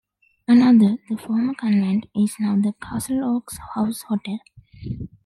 Another, the former convent, is now the Castleoaks House Hotel.